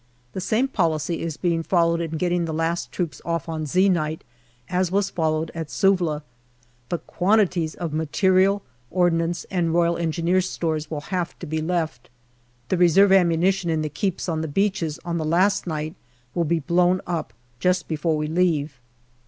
The same policy is being followed in getting the last troops off on " Z " night as was followed at Suvla, but quantities of material, ordnance, and R.E. stores will have to be left. The reserve ammunition in the keeps on the beaches on the last night will be blown up just before we leave.